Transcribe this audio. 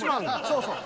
そうそう。